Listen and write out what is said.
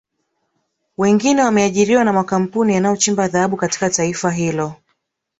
Wengine wameajiriwa na makampuni yanayochimba dhahabu katika taifa hilo